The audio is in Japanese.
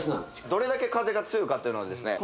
どれだけ風が強いかっていうのはですね